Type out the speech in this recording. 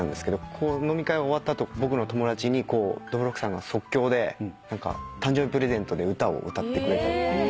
飲み会終わった後僕の友達にどぶろっくさんが即興で誕生日プレゼントで歌を歌ってくれた。